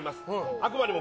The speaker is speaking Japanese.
あくまでも